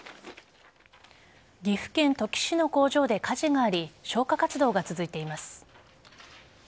岐阜県土岐市の工場で火事があり消火活動が続いています。